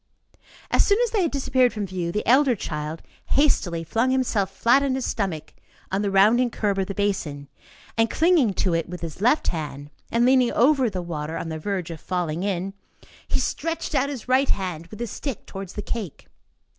As soon as they had disappeared from view, the elder child hastily flung himself flat on his stomach on the rounding curb of the basin, and clinging to it with his left hand, and leaning over the water, on the verge of falling in, he stretched out his right hand with his stick towards the cake.